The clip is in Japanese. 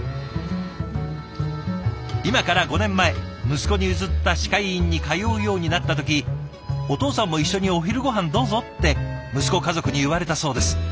今から５年前息子に譲った歯科医院に通うようになった時「お父さんも一緒にお昼ごはんどうぞ」って息子家族に言われたそうです。